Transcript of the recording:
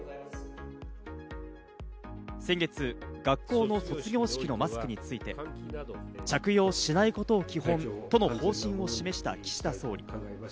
先月、学校の卒業式のマスクについて、着用しないことを基本との方針を示した岸田総理。